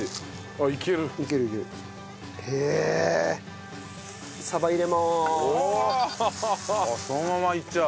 あっそのままいっちゃう？